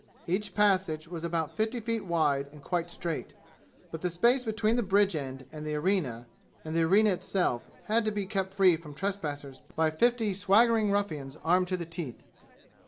Each passage was about fifty feet wide and quite straight. But the space between the bridge end and the arena, and the arena itself, had to be kept free from trespassers by fifty swaggering ruffians armed to the teeth.